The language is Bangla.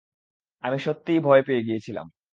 আমি সত্যিই ভয় পেয়ে গিয়েছিলাম।